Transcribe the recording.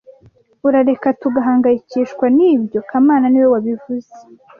Urareka tugahangayikishwa nibyo kamana niwe wabivuze